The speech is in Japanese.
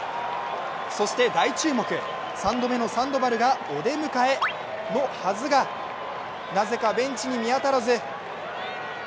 そして大注目、３度目のサンドバルがお出迎えのはずがなぜかベンチに見当たらず。